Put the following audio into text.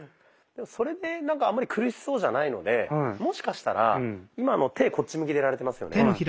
それでなんかあんまり苦しそうじゃないのでもしかしたら今の手こっち向きでやられてますよね。